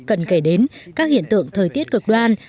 cần kể đến các hiện tượng thời tiết cực đoan